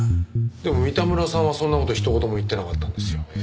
でも三田村さんはそんな事一言も言ってなかったんですよね。